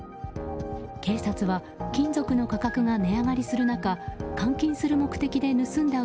警察は金属の価格が値上がりする中、換金する目的で盗んだ